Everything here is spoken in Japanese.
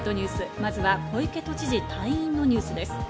まずは小池都知事、退院のニュースです。